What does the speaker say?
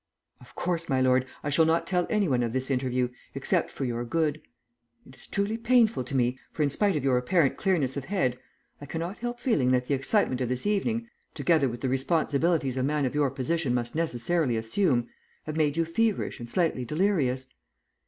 "Of course, my lord, I shall not tell anyone of this interview except for your good. It is truly painful to me, for in spite of your apparent clearness of head I cannot help feeling that the excitement of this evening, together with the responsibilities a man of your position must necessarily assume, have made you feverish and slightly delirious."